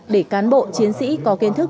để cán bộ chiến sĩ có kiến thức